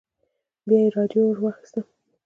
بيا يې راډيو ور واخيسته.